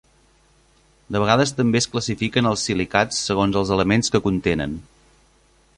De vegades també es classifiquen els silicats segons els elements que contenen.